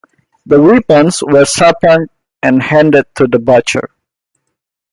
The weapons were sharpened and handed to the butchers.